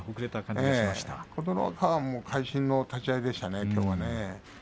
琴ノ若は会心の立ち合いでしたね。